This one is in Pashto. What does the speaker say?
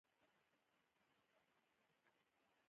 ښه ملګری تا له تیروتنو راګرځوي.